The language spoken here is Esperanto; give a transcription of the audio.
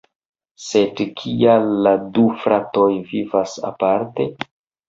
Sed kial la du "fratoj" vivas aparte?